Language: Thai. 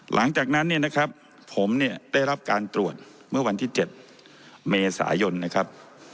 หลังจากนั้นผมได้รับการตรวจเมื่อวันที่๗เมษายนนะครับ